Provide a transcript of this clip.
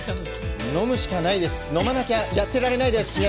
飲むしかないです、飲まなきゃやってられないです。